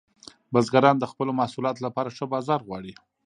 بزګران د خپلو محصولاتو لپاره ښه بازار غواړي.